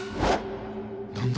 何だ？